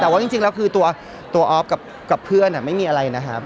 แต่ว่าจริงจริงแล้วคือตัวตัวออฟกับกับเพื่อนอ่ะไม่มีอะไรนะครับ